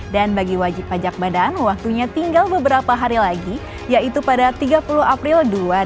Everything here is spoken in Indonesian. dan bagi wajib pajak badan waktunya tinggal beberapa hari lagi yaitu pada tiga puluh april dua ribu dua puluh empat